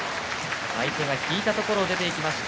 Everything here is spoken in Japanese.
相手が引いたところを出ていきました。